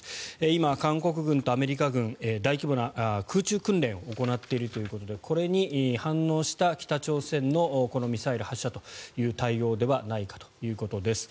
今、韓国軍とアメリカ軍大規模な空中訓練を行っているということでこれに反応した北朝鮮のミサイル発射という対応ではないかということです。